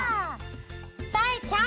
さえちゃん！